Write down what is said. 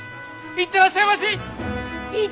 行ってらっしゃいまし！